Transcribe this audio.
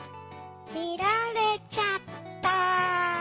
みられちゃった。